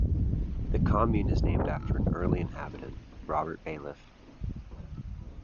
The commune is named after an early inhabitant, Robert Baillif.